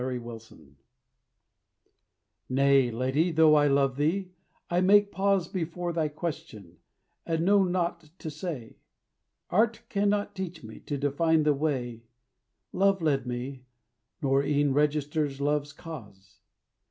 CAPTIVITY Nay, lady, though I love thee, I make pause Before thy question, and know naught to say; Art cannot teach me to define the way, Love led me, nor e'en register Love's cause.